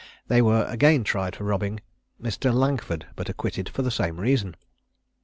They were again tried for robbing Mr. Langford, but acquitted for the same reason.